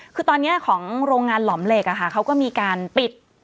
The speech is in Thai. คือตอนนี้ของโรงงานหล่อมเหล็กเขาก็มีการปิด